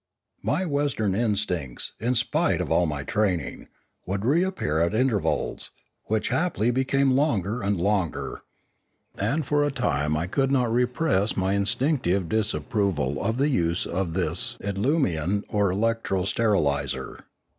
My Western instincts, in spite of all my training, would reappear at intervals — which happily became longer and longer — and for a time I could not repress my instinctive disapproval of the use of this idlumian or electro steriliser.